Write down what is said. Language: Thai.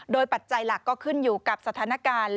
โดยปัจจัยหลักก็ขึ้นอยู่กับสถานการณ์